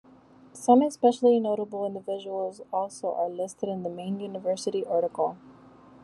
Some especially notable individuals also are listed in the main university article.